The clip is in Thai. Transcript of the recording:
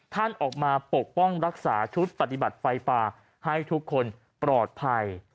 ท่านออกมาปกป้องรักษาชุดปฏิบัติไฟป่าให้ทุกคนปลอดภัย